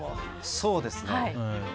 そうですね。